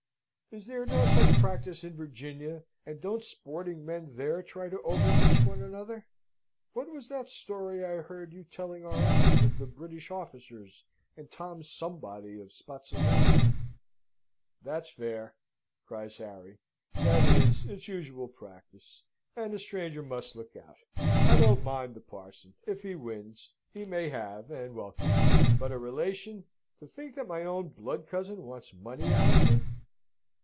"Is there no such practice in Virginia, and don't sporting men there try to overreach one another? What was that story I heard you telling our aunt, of the British officers and Tom somebody of Spotsylvania!" "That's fair!" cries Harry. "That is, it's usual practice, and a stranger must look out. I don't mind the parson; if he wins, he may have, and welcome. But a relation! To think that my own blood cousin wants money out of me!"